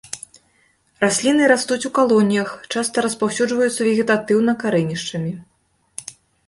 Расліны растуць у калоніях, часта распаўсюджваюцца вегетатыўна карэнішчамі.